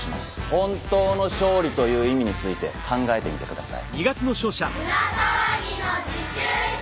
本当の勝利という意味について考えてみてください。